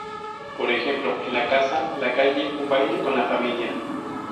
Por ejemplo: en la casa, la calle, un baile, con la familia.